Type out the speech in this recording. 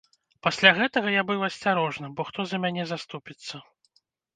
Пасля гэтага я быў асцярожным, бо хто за мяне заступіцца?